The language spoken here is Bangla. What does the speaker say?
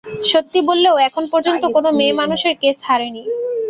সত্যি বললে, ও এখন পর্যন্ত কোনো মেয়েমানুষের কেস হারেনি।